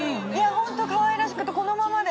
ホントかわいらしくてこのままで。